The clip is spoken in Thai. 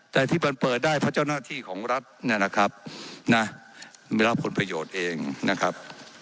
แต่ที่มันเปิดได้เพราะเจ้าหน้าที่ของรัฐเนี่ยนะครับนะไม่รับผลประโยชน์เองนะครับ